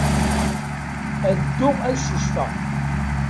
Ad dduɣ ad ccucfeɣ.